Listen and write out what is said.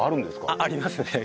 ありますね。